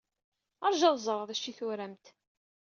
Ṛju ad ẓreɣ d acu ay turamt.